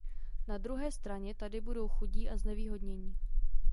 Na druhé straně tady budou chudí a znevýhodnění.